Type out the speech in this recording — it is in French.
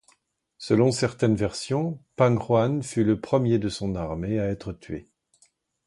Selon certaines versions, Pang Juan fut le premier de son armée à être tué.